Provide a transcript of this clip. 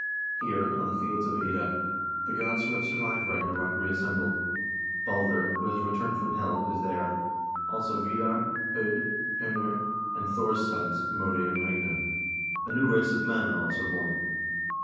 Here, on the Fields of Ida, the gods who have survived Ragnarok reassemble. Balder, who has returned from Hel, is there; also Vidar, H0d, H0nir, and Thor's sons, Mode and Magne. A new race of men are also born.